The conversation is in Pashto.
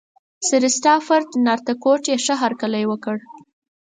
سرسټافرډ نارتکوټ یې ښه هرکلی وکړ.